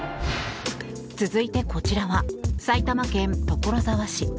続いて、こちらは埼玉県所沢市。